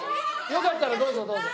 よかったらどうぞどうぞ。